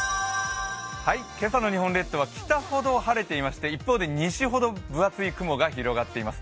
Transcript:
今朝の日本列島は北ほど晴れていまして一方で西ほど分厚い雲が広がっています。